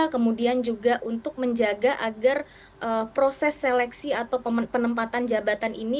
kemudian juga untuk menjaga agar proses seleksi atau penempatan jabatan ini